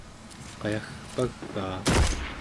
qayagpagaa